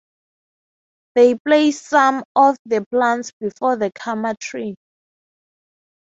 They place some of the plants before the karma tree.